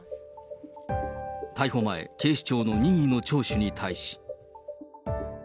逮捕前、警視庁の任意の聴取に対し。